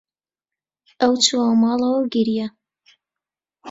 ئەو چووەوە ماڵەوە و گریا.